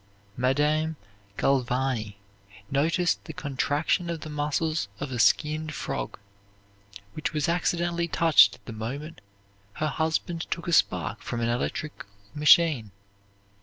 Madame Galvani noticed the contraction of the muscles of a skinned frog which was accidentally touched at the moment her husband took a spark from an electrical machine.